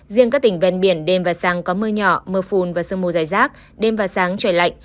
riêng các tỉnh ven biển đêm và sáng có mưa nhỏ mưa phùn và sương mù dài rác đêm và sáng trời lạnh